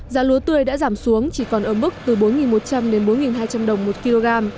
giá lúa tươi đã giảm xuống chỉ còn ớm bức từ bốn một trăm linh bốn hai trăm linh đồng một kg